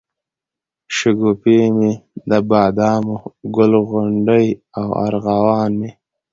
شګوفې مي دبادامو، ګل غونډۍ او ارغوان مي